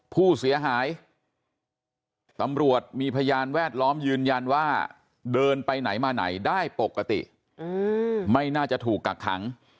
ผู้เสียหายตำรวจมีพยานแวดล้อมยืนยันว่าเดินไปไหนมาไหนได้ปกติไม่น่าจะถูกกักขัง